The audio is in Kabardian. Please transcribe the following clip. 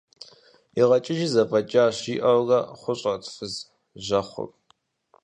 ИгъэкӀыжи зэфӀэкӀащ, – жиӀэурэ хъущӀэрт фыз жьэхъур.